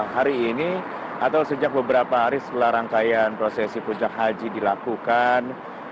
hari ini atau sejak beberapa hari setelah rangkaian prosesi puncak haji dilakukan